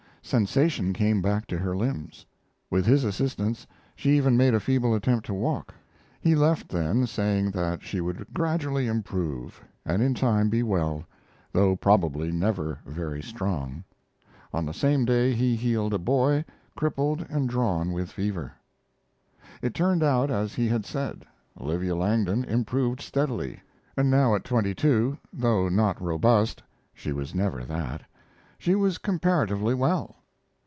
Sensation came back to her limbs. With his assistance she even made a feeble attempt to walk. He left then, saying that she would gradually improve, and in time be well, though probably never very strong. On the same day he healed a boy, crippled and drawn with fever. It turned out as he had said. Olivia Langdon improved steadily, and now at twenty two, though not robust she was never that she was comparatively well.